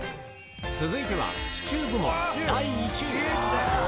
続いては、シチュー部門第１位。